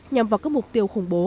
nhằm vào các mục tiêu khủng bố